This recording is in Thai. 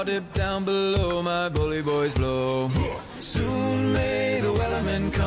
กลับด้านหลักหลักหลักหลักหลักหลักหลัก